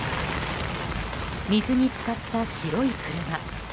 水に浸かった白い車。